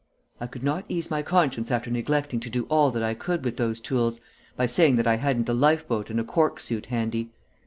I could not ease my conscience after neglecting to do all that I could with those tools, by saying that I hadn't a lifeboat and a cork suit handy.